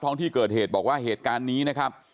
ที่เกิดเหตุบอกว่าเหตุการณ์นี้นะครับ